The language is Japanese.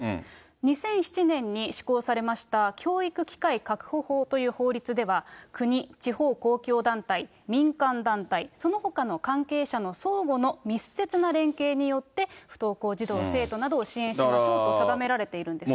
２００７年に施行されました教育機会確保法という法律では、国、地方公共団体、民間団体、そのほかの関係者の相互の密接な連携によって、不登校児童・生徒などを支援しますと定められているんですね。